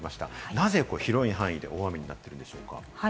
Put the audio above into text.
なぜ広い範囲で大雨になったんでしょうか？